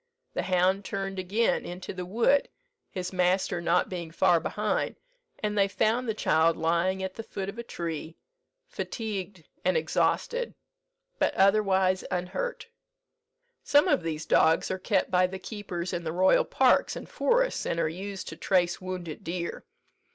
The hound turned again into the wood, his master not being far behind, and they found the child lying at the foot of a tree, fatigued and exhausted, but otherwise unhurt. Some of these dogs are kept by the keepers in the royal parks and forests, and are used to trace wounded deer.